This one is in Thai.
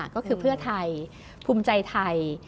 ก็คือเพื่อไทยภูมิใจไทย